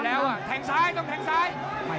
แล้วทีมงานน่าสื่อ